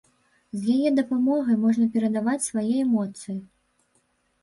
З яе дапамогай можна перадаваць свае эмоцыі.